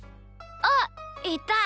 あっいた！